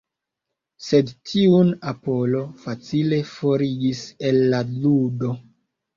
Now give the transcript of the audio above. Sed tiun Apolono facile forigis el la ludo.